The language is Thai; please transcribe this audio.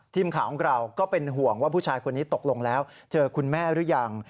ทีมข่าวของเราก็เป็นห่วงว่าผู้ชายคนนี้ตกลงแล้วเจอคุณแม่หรือยัง